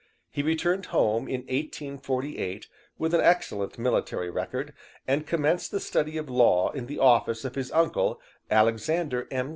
He returned home in 1848 with an excellent military record, and commenced the study of law in the office of his uncle, Alexander M.